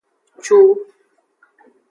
Cu.